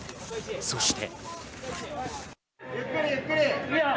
そして。